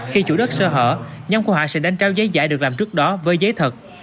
khi chủ đất sơ hở nhóm của họ sẽ đánh trao giấy giải được làm trước đó với giấy thật